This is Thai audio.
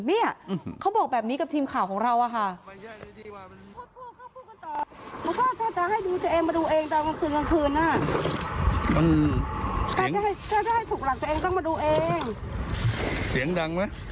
เนี่ยเขาบอกแบบนี้กับทีมข่าวของเราอะค่ะ